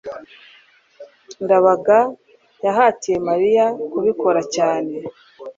ndabaga yahatiye mariya kubikora cyane